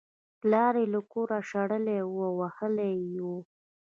پلار یې له کوره شړلی و او وهلی یې و